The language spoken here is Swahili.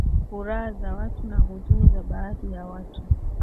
furaha za watu na huzuni za baadhi ya watu